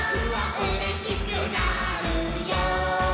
「うれしくなるよ」